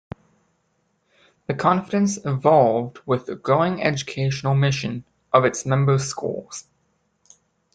The conference evolved with the growing educational mission of its member schools.